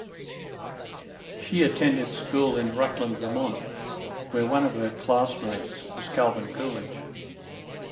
She attended school in Rutland, Vermont where one of her classmates was Calvin Coolidge.